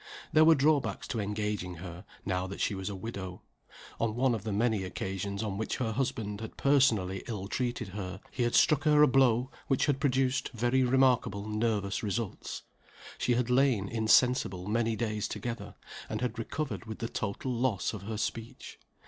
There were drawbacks to engaging her, now that she was a widow. On one of the many occasions on which her husband had personally ill treated her, he had struck her a blow which had produced very remarkable nervous results. She had lain insensible many days together, and had recovered with the total loss of her speech.